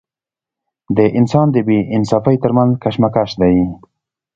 د انسان د بې انصافۍ تر منځ کشمکش دی.